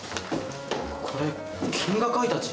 これ君が書いた字？